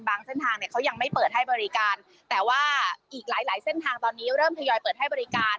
เส้นทางเนี่ยเขายังไม่เปิดให้บริการแต่ว่าอีกหลายหลายเส้นทางตอนนี้เริ่มทยอยเปิดให้บริการ